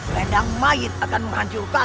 pendang mayit akan menghancurkan